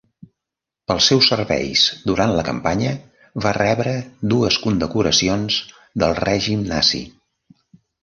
Pels seus serveis durant la campanya, va rebre dues condecoracions del règim nazi.